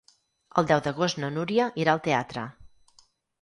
El deu d'agost na Núria irà al teatre.